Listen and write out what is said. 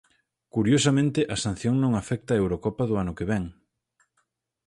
Curiosamente a sanción non afecta a Eurocopa do ano que vén.